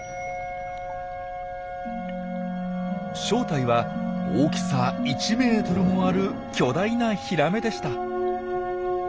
正体は大きさ１ｍもある巨大なヒラメでした。